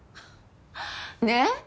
ねっ？